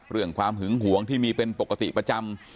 ความหึงหวงที่มีเป็นปกติประจำ